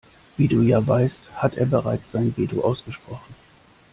Wie du ja weißt, hat er bereits sein Veto ausgesprochen.